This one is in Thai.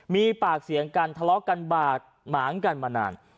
มีปากเสียงกันทะเลาะกันบาดหมางกันมานาน